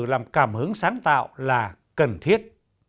làm cảm hứng sáng tạo là cần thiết